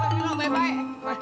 baik baik baik